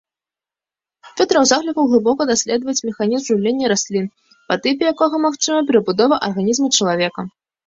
Фёдараў заклікаў глыбока даследаваць механізм жыўлення раслін, па тыпе якога магчымы перабудовы арганізма чалавека.